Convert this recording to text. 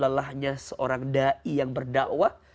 enam lelahnya seorang dai yang berdakwah